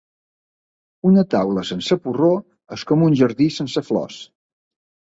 Una taula sense porró, és com un jardí sense flors.